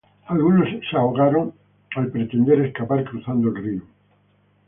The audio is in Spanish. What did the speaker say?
Algunos se ahogaron al pretender escapar cruzando el río.